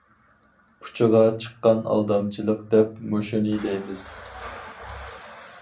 ئۇچىغا چىققان ئالدامچىلىق دەپ مۇشۇنى دەيمىز.